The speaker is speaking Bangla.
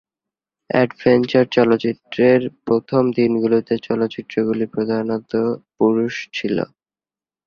অ্যাডভেঞ্চার চলচ্চিত্রের প্রথম দিনগুলিতে, চরিত্রগুলি প্রধানত পুরুষ ছিল।